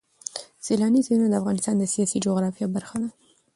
سیلانی ځایونه د افغانستان د سیاسي جغرافیه برخه ده.